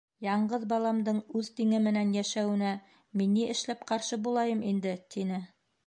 Яңғыҙ баламдың үҙ тиңе менән йәшәүенә мин ни эшләп ҡаршы булайым инде? — тине.